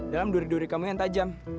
dalam duri duri kamu yang tajam